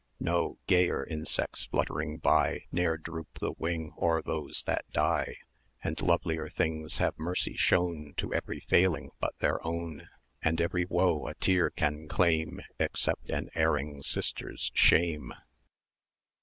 No: gayer insects fluttering by Ne'er droop the wing o'er those that die, And lovelier things have mercy shown To every failing but their own, And every woe a tear can claim 420 Except an erring Sister's shame.